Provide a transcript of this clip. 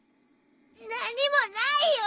何にもないよ！